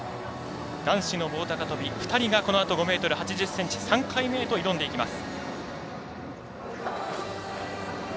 男子の棒高跳び２人がこのあと５ｍ８０ｃｍ３回目へと挑んでいきます。